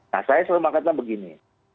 nah saya selalu mengatakan begini